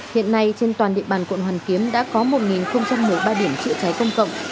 hiện nay trên toàn địa bàn quận hoàn kiếm đã có một một mươi ba điểm chữa cháy công cộng